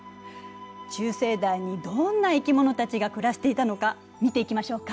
中生代にどんな生き物たちが暮らしていたのか見ていきましょうか。